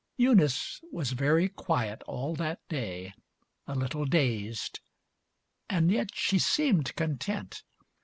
L Eunice was very quiet all that day, A little dazed, and yet she seemed content.